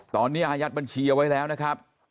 ตอนนี้อายัดบัญชีเอาไว้แล้วนะครับ